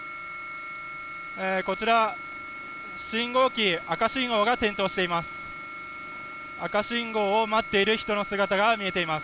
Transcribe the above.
こちら、信号機、赤信号が点灯しています。